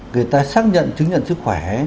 người ta xác nhận chứng nhận sức khỏe